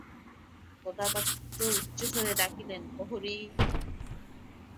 প্রতাপাদিত্য উচ্চতর স্বরে ডাকিলেন, প্রহরী।